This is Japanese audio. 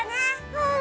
うん。